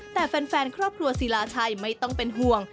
แต่แฟนครอบครัวศิลาชัยไม่ต้องเป็นห่วง